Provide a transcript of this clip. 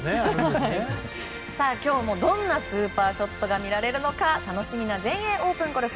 今日もどんなスーパーショットが見られるのか楽しみな全英オープンゴルフ。